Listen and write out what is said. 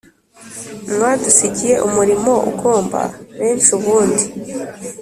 Mwadusigiye umurimo Ugomba benshi ubundi: